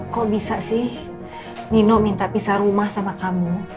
kok bisa sih nino minta pisah rumah sama kamu